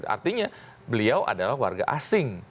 artinya beliau adalah warga asing